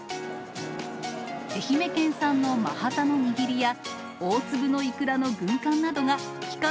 愛媛県産の真ハタの握りや、大粒のいくらの軍艦などが期間